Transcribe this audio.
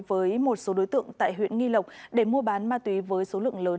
với một số đối tượng tại huyện nghi lộc để mua bán ma túy với số lượng lớn